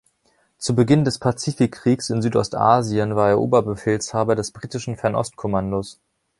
Zu Beginn des Pazifikkriegs in Südostasien war er Oberbefehlshaber des britischen Fernost-Kommandos.